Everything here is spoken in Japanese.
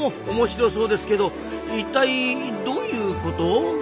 おもしろそうですけどいったいどういうこと？